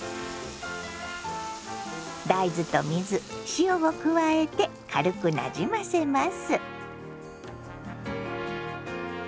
大豆と水塩を加えて軽くなじませます。